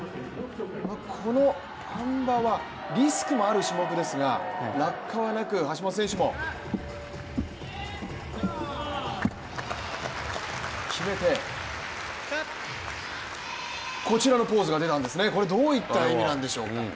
このあん馬はリスクもある種目ですが落下はなく、橋本選手も決めてこちらのポーズが出たんですね、こちらはどういった意味なんでしょうか。